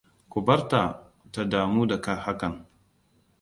Ku barta ta damu da hakan.